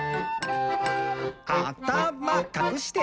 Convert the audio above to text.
「あたまかくして！」